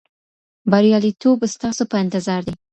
بریالیتوب ستاسو په انتظار دی.